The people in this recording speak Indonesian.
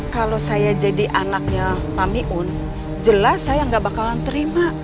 kalau saya jadi anaknya pamiun jelas saya nggak bakalan terima